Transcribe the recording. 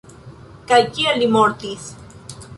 Kaj kiel li mortis?